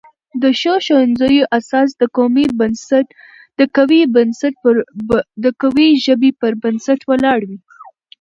د ښو ښوونځیو اساس د قوي ژبې پر بنسټ ولاړ وي.